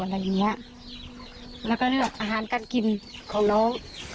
แล้วก็เลือกอาหารการกินของน้อง